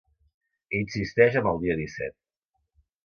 Insisteix amb el dia disset.